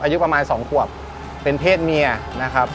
อายุประมาณ๒ขวบเป็นเพศเมียนะครับ